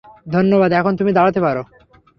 ধন্যবাদ এখন তুমি দাড়াতে পারো।